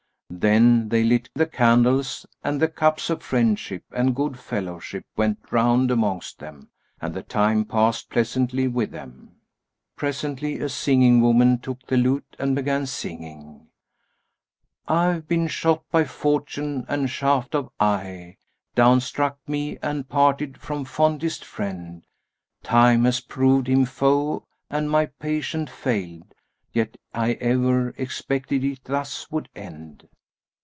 Then they lit the candles, and the cups of friendship and good fellowship went round amongst them and the time passed pleasantly with them. Presently, a singing woman took the lute and began singing, "I've been shot by Fortune, and shaft of eye * Down struck me and parted from fondest friend: Time has proved him foe and my patience failed, * Yet I ever expected it thus would end."